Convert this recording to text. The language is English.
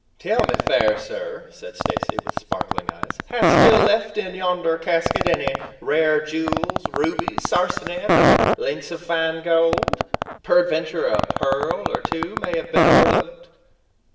"Tell me, fair sir," said Stacy, with sparkling eyes, "hast still left in yonder casket any rare jewels, rubies, sarcenet, or links of fine gold? Peradventure a pearl or two may have been overlooked!"